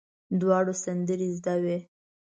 دواړو سندرې زده وې.